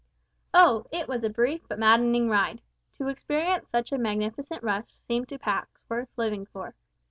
Oh! it was a brief but maddening ride. To experience such a magnificent rush seemed to Pax worth living for.